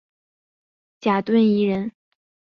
贾敦颐人。